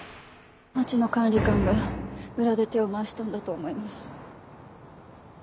町野管理官が裏で手を回したんだと思います。